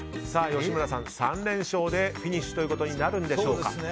吉村さん、３連勝でフィニッシュとなるんでしょうか。